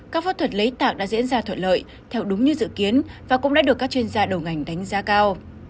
các võ thuật lấy tạng đã diễn ra thuận lợi theo đúng như dự kiến và cũng đã được các chuyên gia đầu ngành đánh giá cao